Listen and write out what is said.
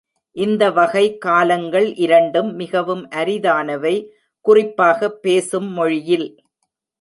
இந்த வகை காலங்கள் இரண்டும் மிகவும் அரிதானவை, குறிப்பாக பேசும் மொழியில்.